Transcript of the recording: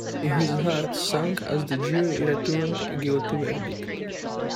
His heart sank as the jury returned a guilty verdict.